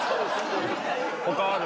他ある？